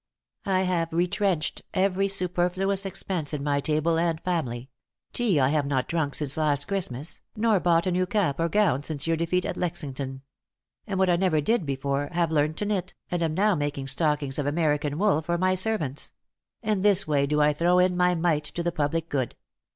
I have retrenched every superfluous expense in my table and family; tea I have not drunk since last Christmas, nor bought a new cap or gown since your defeat at Lexington; and what I never did before, have learned to knit, and am now making stockings of American wool for my servants; and this way do I throw in my mite to the public good.